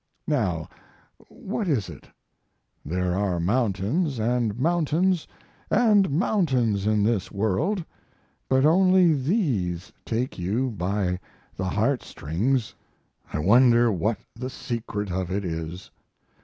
Now what is it? There are mountains and mountains and mountains in this world, but only these take you by the heartstrings. I wonder what the secret of it is.